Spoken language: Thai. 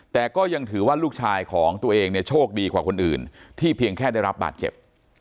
แต่ก็ยังถือว่าลูกชายของตัวเองเนี่ยโชคดีกว่าคนอื่นที่เพียงแค่ได้รับบาดเจ็บ